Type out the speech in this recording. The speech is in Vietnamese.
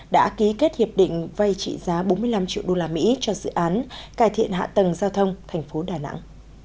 đã ký kết hiệp định vay trị giá bốn mươi năm triệu đô la mỹ cho dự án cải thiện hạ tầng giao thông thành phố đà nẵng